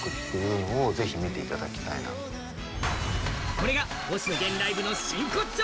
これが星野源ライブの真骨頂。